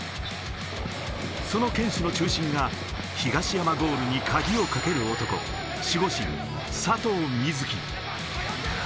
その堅守の中心が東山ゴールに鍵をかける男、守護神・佐藤瑞起。